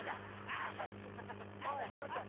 おいちょっと。